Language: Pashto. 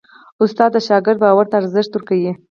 استاد د شاګرد باور ته ارزښت ورکوي.